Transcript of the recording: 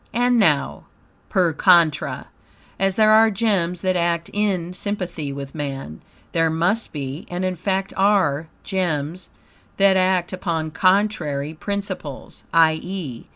And now, per contra, as there are gems that act in sympathy with man, there must be, and in fact are, gems that act upon contrary principles; i.e.